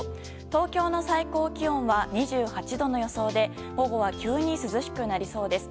東京の最高気温は２８度の予想で午後は急に涼しくなりそうです。